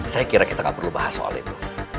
saya kira kita gak perlu bahas soal itu